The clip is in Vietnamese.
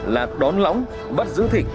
là đón lóng bắt giữ thịnh